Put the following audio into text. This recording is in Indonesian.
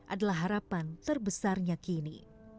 adalah harapan terbesarnya kini